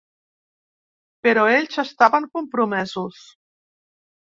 Però ells estaven compromesos.